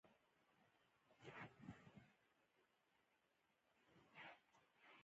چی دا ډول حکومت ته په شرعی اصطلاح کی توحید فی الحاکمیت ویل کیږی